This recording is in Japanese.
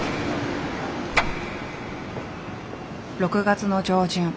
６月の上旬。